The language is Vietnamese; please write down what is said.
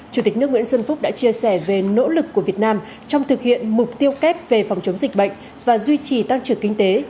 chủ tịch nước nguyễn xuân phúc đã chia sẻ về nỗ lực của việt nam trong thực hiện mục tiêu kép về phòng chống dịch bệnh và duy trì tăng trưởng kinh tế